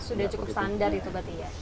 sudah cukup standar itu berarti ya